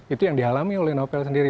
itu yang dialami oleh novel sendiri